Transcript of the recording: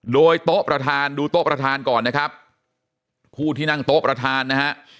โดยโต๊ะประธานดูโต๊ะประธานก่อนนะครับผู้ที่นั่งโต๊ะประธานนะฮะ